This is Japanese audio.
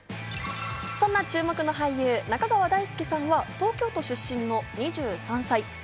そんな注目の俳優・中川大輔さんは東京都出身の２３歳。